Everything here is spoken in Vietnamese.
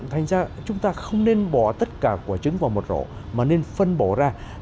thành ra chúng ta không nên bỏ tất cả của trứng vào một rổ mà nên phân bổ ra